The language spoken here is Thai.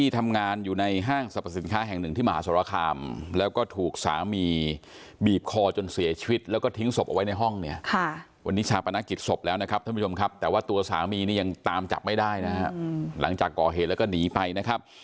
ทำร้ายจนเสียชีวิตแล้วก็ทิ้งศพไว้นะครับ